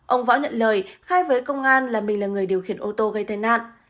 ông võ nhận lời khai với công an là mình là người điều khiển ô tô gây tai nạn